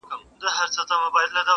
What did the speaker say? عدالت بايد رامنځته سي ژر،